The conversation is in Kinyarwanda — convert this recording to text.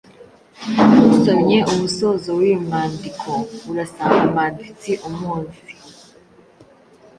Usomye umusozo w’uyu mwandiko urasanga umwanditsi umuzi